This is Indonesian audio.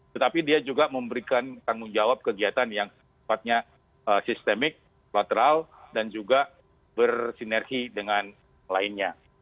tetapi dia juga memberikan tanggung jawab kegiatan yang sempatnya sistemik lateral dan juga bersinergi dengan lainnya